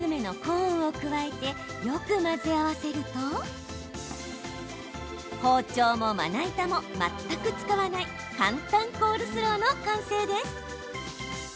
そして、カニかまぼこ缶詰のコーンを加えてよく混ぜ合わせると包丁も、まな板も全く使わない簡単コールスローの完成です。